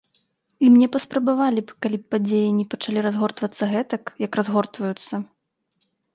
І мне паспрабавалі б, калі падзеі не пачалі разгортвацца гэтак, як разгортваюцца.